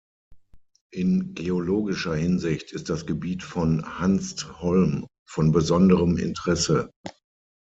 In geologischer Hinsicht ist das Gebiet von Hanstholm von besonderem Interesse.